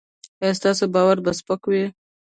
ایا ستاسو بار به سپک وي؟